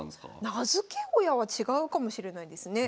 名付け親は違うかもしれないですね。